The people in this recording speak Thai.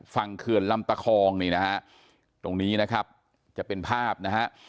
เขื่อนลำตะคองนี่นะฮะตรงนี้นะครับจะเป็นภาพนะฮะ